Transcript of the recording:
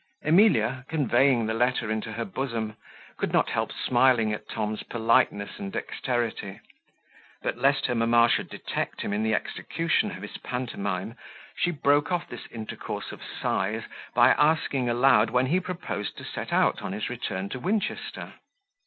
Emilia, conveying the letter into her bosom, could not help smiling at Tom's politeness and dexterity; but lest her mamma should detect him in the execution of his pantomime, she broke off this intercourse of signs, by asking aloud when he proposed to set out on his return to Winchester?